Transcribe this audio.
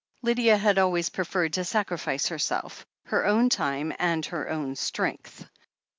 Lydia had always preferred to sacrifice herself, her own time and her own strength.